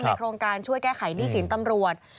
โครงการช่วยแก้ไขหนี้สินตำรวจ